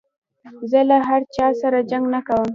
زه له چا سره جنګ نه کوم.